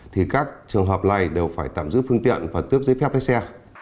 thì các trường hợp này đều phải tạm giữ phương tiện và tước giấy phép lái xe